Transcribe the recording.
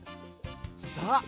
さあ